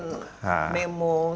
memo semua penyuluran